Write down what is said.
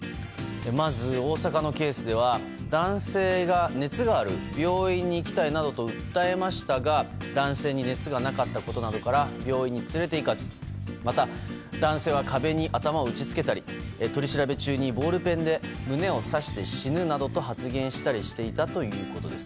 まず大阪のケースでは男性が、熱がある病院に行きたいなどと訴えましたが男性に熱がなかったことなどから病院に連れていかずまた、男性は壁に頭を打ち付けたり取り調べ中にボールペンで胸を刺して死ぬなどと発言したりしていたということです。